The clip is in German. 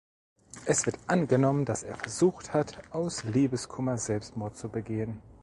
Es wird angenommen, dass er versucht hat aus Liebeskummer Selbstmord zu begehen.